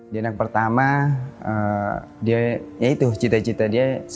di anak pertama ya itu cita cita dia